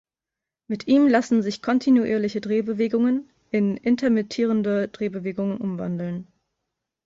Mit ihm lassen sich kontinuierliche Drehbewegungen in intermittierende Drehbewegungen umwandeln.